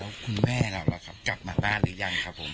แล้วคุณแม่เรากลับมาบ้านหรือยังครับผม